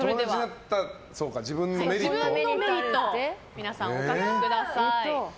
皆さん、お書きください。